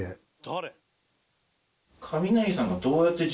「誰？」